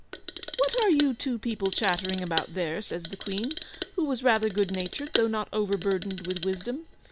"What are you two people chattering about there?" says the Queen, who was rather good natured, though not overburdened with wisdom.